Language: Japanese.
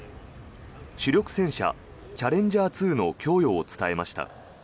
主力戦車、チャレンジャー２の供与を伝えました。